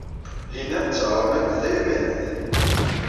Lina d taɣermant tayamanit.